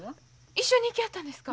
一緒に行きはったんですか？